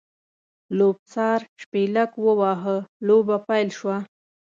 لوبڅار شپېلک ووهه؛ لوبه پیل شوه.